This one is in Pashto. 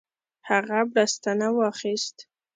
هغه بړستنه واخیست.